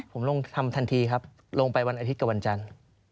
ผมลงทำทันทีครับลงไปวันอาทิตย์กับวันจันทร์